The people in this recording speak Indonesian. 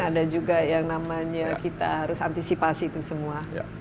ada juga yang namanya kita harus antisipasi itu semua